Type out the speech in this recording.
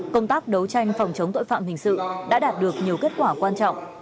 công tác đấu tranh phòng chống tội phạm hình sự đã đạt được nhiều kết quả quan trọng